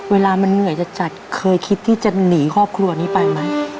เวลามันเหนื่อยจัดเคยคิดที่จะหนีครอบครัวนี้ไปไหม